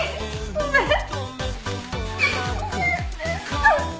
ごめんね。